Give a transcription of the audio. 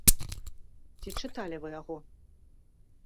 Ці чыталі вы яго?